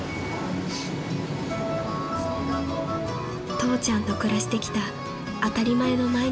［父ちゃんと暮らしてきた当たり前の毎日］